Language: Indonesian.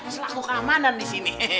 selaku keamanan di sini